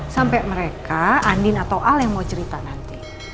sampe mereka andien atau al yang mau cerita nanti